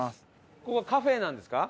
ここはカフェなんですか？